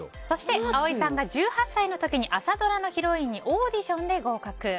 そして葵さんが１８歳の時に朝ドラのヒロインにオーディションで合格。